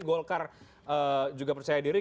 golkar juga percaya diri